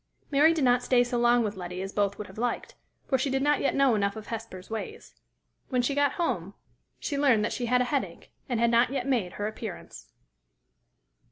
Mary did not stay so long with Letty as both would have liked, for she did not yet know enough of Hesper's ways. When she got home, she learned that she had a headache, and had not yet made her appearance.